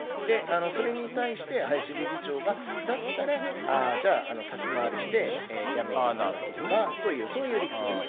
それに対して林理事長が、だったらじゃあ先回りして辞めていただけるかという、そういう理屈です。